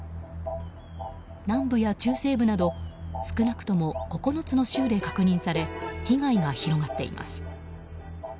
南部や中西部など少なくとも９つの州で確認され被害が広がっています。